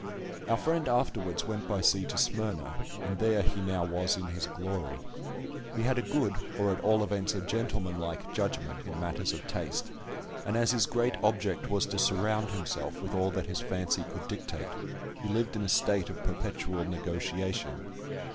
Our friend afterwards went by sea to Smyrna, and there he now was in his glory. He had a good, or at all events a gentleman like, judgment in matters of taste, and as his great object was to surround himself with all that his fancy could dictate, he lived in a state of perpetual negotiation.